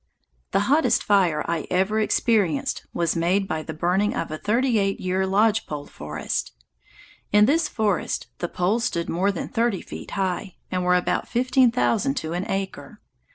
The hottest fire I ever experienced was made by the burning of a thirty eight year lodge pole forest. In this forest the poles stood more than thirty feet high, and were about fifteen thousand to an acre.